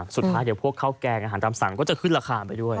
สุดท้ายเดี๋ยวพวกข้าวแกงอาหารตามสั่งก็จะขึ้นราคาไปด้วย